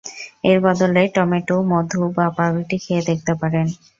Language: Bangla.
এর বদলে টমেটো, মধু বা পাউরুটি খেয়ে দেখতে পারেন।